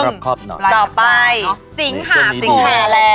อีกครั้งต่อไปสิงหาละ